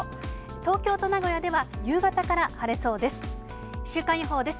東京と名古屋では夕方から晴れそうです。